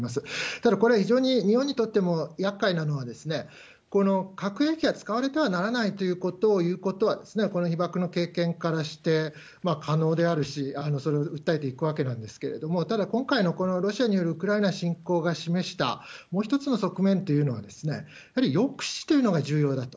ただ、これは非常に日本にとってもやっかいなのは、この核兵器が使われてはならないということを言うことは、被爆の経験からして可能であるし、それを訴えていくわけなんですけれども、ただ、今回のこのロシアによるウクライナ侵攻が示したもう一つの側面は、やっぱり抑止というのが重要だと。